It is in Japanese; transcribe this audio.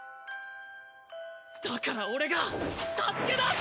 だから俺が助け出す！